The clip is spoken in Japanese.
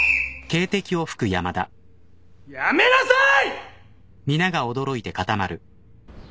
やめなさい！